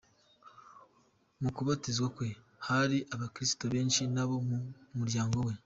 Mu kubatizwa kwe hari abakristo benshi n'abo mu muryango we .